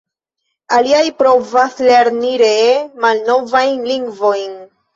Aliaj provas lerni (ree) malnovajn lingvojn.